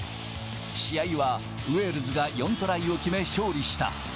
試合は、ウェールズが４トライを決め勝利した。